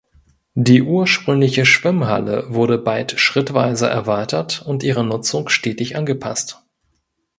Die ursprüngliche Schwimmhalle wurde bald schrittweise erweitert und ihre Nutzung stetig angepasst.